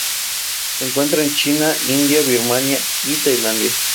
Se encuentra en China, India, Birmania y Tailandia.